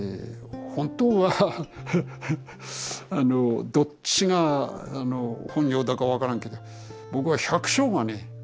本当はあのどっちが本業だか分からんけど僕は百姓がね